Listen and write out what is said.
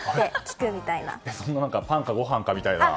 そんなパンかご飯かみたいな。